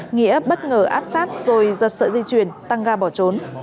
nghĩa bất ngờ áp sát rồi giật sợi dây chuyền tăng ga bỏ trốn